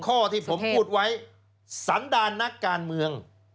ข้อที่ผมพูดไว้สันดาลนักการเมือง